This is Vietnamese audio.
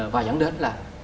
và dẫn đến là